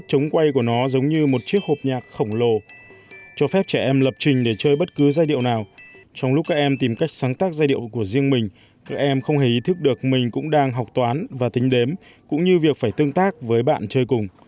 trong lúc các em tìm cách sáng tác giai điệu của riêng mình các em không hề ý thức được mình cũng đang học toán và tính đếm cũng như việc phải tương tác với bạn chơi cùng